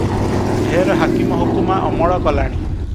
ଢେର ହାକିମ ହୁକୁମା ଅମଳ କଲାଣି ।